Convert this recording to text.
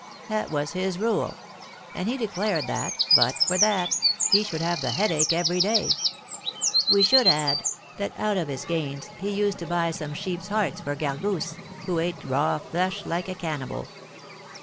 That was his rule; and he declared that, but for that, he should have the headache every day. We should add, that out of his gains he used to buy some sheeps' hearts for Gargousse, who ate raw flesh like a cannibal.